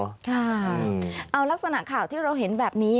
ค่ะเอาลักษณะข่าวที่เราเห็นแบบนี้